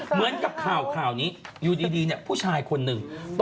เหมือนกับข่าวนี้อยู่ดีเนี่ยผู้ชายคนหนึ่ง